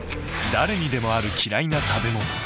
誰にでもある嫌いな食べ物。